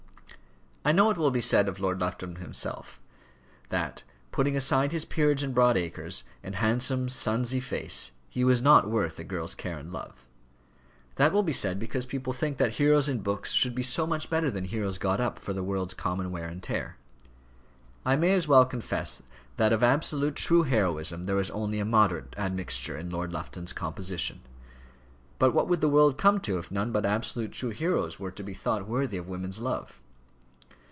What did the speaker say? I know it will be said of Lord Lufton himself that, putting aside his peerage and broad acres, and handsome, sonsy face, he was not worth a girl's care and love. That will be said because people think that heroes in books should be so much better than heroes got up for the world's common wear and tear. I may as well confess that of absolute, true heroism there was only a moderate admixture in Lord Lufton's composition; but what would the world come to if none but absolute true heroes were to be thought worthy of women's love?